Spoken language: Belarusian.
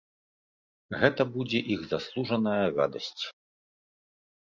Гэта будзе іх заслужаная радасць.